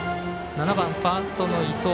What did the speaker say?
７番、ファーストの伊藤。